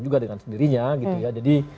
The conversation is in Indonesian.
juga dengan sendirinya jadi